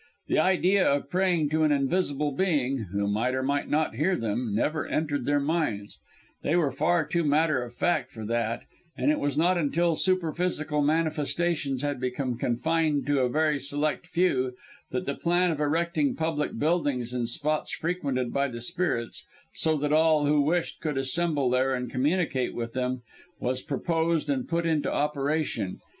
The idea of praying to an invisible being who might or might not hear them never entered their minds; they were far too matter of fact for that and it was not until superphysical manifestations had become confined to a very select few, that the plan of erecting public buildings in spots frequented by the spirits, so that all who wished could assemble there and communicate with them, was proposed and put into operation.